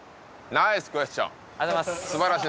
ナイスクエスチョン！